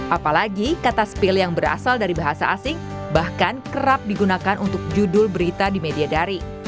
apalagi kata spill yang berasal dari bahasa asing bahkan kerap digunakan untuk judul berita di media dari